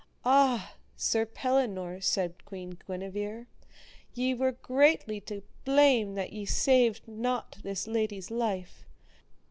Ah! Sir Pellinore, said Queen Guenever, ye were greatly to blame that ye saved not this lady's life.